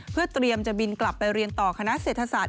เพื่อเตรียมจะบินกลับไปเรียนต่อคณะเศรษฐศาสต